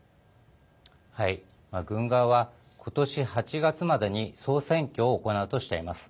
軍側は今年８月までに総選挙を行うとしています。